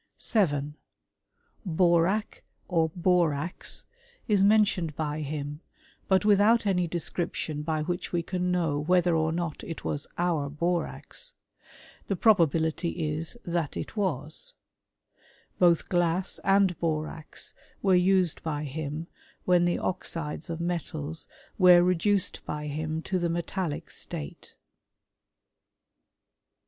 7. Baurach, or borax, is mentioned by him, but without any description by which we can know whether or not it was our borax : the probability is that it wuk CHBJRST&T or THE A&AStAKS. 127 Both glass and borax were used by him when the oxides of metals were reduced by him to the metallic state.